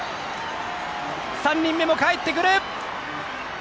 ３人目もかえってくる。